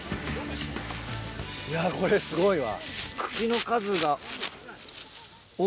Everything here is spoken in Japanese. いやこれすごいわ。